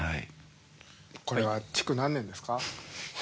これは築何年ですか？